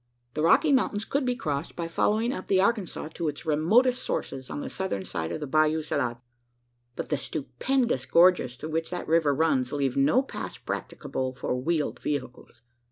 The Rocky Mountains could be crossed, by following up the Arkansas to its remotest sources on the southern side of the Bayou Salade; but the stupendous gorges through which that river runs leave no pass practicable for wheeled vehicles.